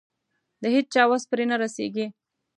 د هيچا وس پرې نه رسېږي.